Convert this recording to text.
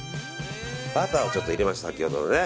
バターをちょっと入れます先ほどの。